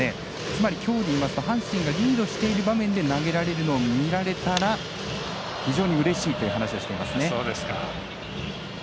つまりきょうでいいますとリードしている場面で投げられるのを見られたら非常にうれしいという話をしていますね。